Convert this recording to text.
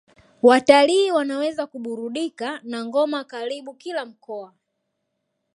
Watalii wanaweza kuburudika na ngoma karibu kila mkoa